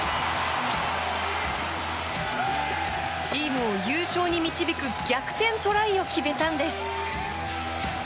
チームを優勝に導く逆転トライを決めたんです。